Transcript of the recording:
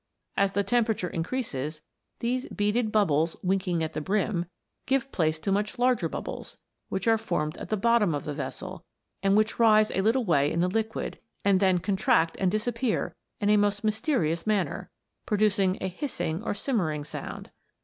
As the temperature increases these " beaded bub bles winking at the brim" give place to much larger bubbles, which are formed at the bottom of the vessel, and which rise a little way in the liquid, and then contract and disappear in a most myste rious manner, producing a hissing or simmering sound.